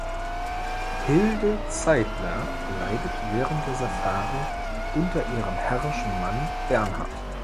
Hilde Zeidler leidet während der Safari unter ihrem herrischen Mann Bernhard.